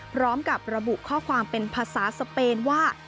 พร้อมกับระบุข้อความเป็นภาษาสเปนว่า